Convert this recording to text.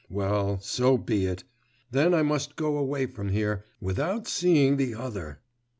Well, so be it.... Then I must go away from here, without seeing the other....